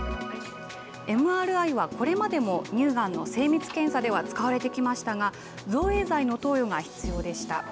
ＭＲＩはこれまでも乳がんの精密検査では使われてきましたが、造影剤の投与が必要でした。